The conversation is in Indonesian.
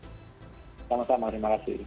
sama sama terima kasih